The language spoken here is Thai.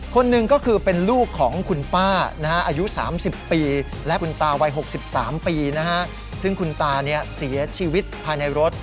คนหนึ่งก็คือเป็นลูกของคุณป้านะฮะอายุสามสิบปีและคุณตาวัยหกสิบสามปีนะฮะซึ่งคุณตาเนี่ยเสียชีวิตภายในรถ